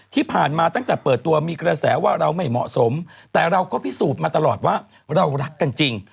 ที่ผ่านมาตั้งแต่เปิดตัวมีกระแสว่าเราไม่เหมาะสมแต่เราก็พิสูจน์มาตลอดว่าเรารักกันจริง